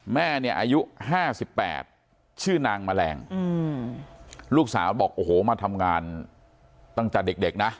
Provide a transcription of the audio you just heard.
แม่เนี่ยอายุ๕๘ชื่อนางแมลงลูกสาวบอกโอ้โหมาทำงานตั้งแต่เด็กนะ